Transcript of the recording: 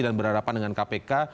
dan berhadapan dengan kpk